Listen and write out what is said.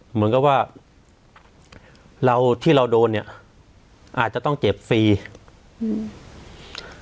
เหมือนกับว่าเราที่เราโดนเนี้ยอาจจะต้องเจ็บฟรีอืม